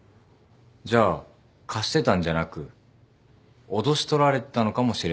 じゃあ貸してたんじゃなく脅し取られてたのかもしれないですね。